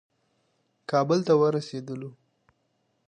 کابل ته ورسېدلو.